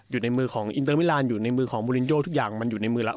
อยู่ในมือของอินเตอร์มิลานอยู่ในมือของมูลินโยทุกอย่างมันอยู่ในมือแล้ว